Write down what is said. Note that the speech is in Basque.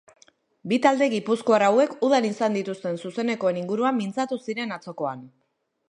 Bi talde gipuzkoar hauek udan izan dituzten zuzenekoen inguruan mintzatu ziren atzokoan.